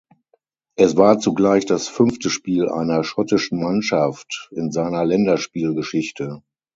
Es war zugleich das fünfte Spiel einer schottischen Mannschaft in seiner Länderspielgeschichte.